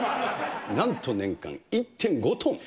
なんと、年間１．５トン。